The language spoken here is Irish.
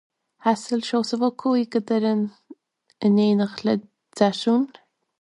Thaistil Seosamh Ó Cuaig go Doire in éineacht le Deasún.